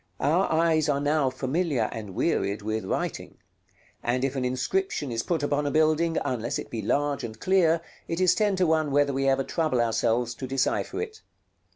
Our eyes are now familiar and wearied with writing; and if an inscription is put upon a building, unless it be large and clear, it is ten to one whether we ever trouble ourselves to decipher it.